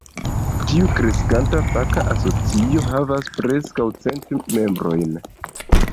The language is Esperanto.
Tiu kreskanta faka asocio havas preskaŭ cent membrojn.